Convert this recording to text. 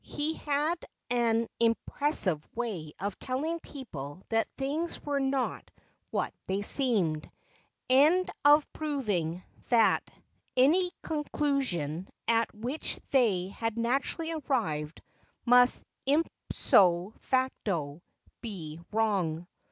He had an impres sive way of telling people that things were not what they seemed, and of proving that any conclusion at which they had naturally arrived must ipso facto be wrong.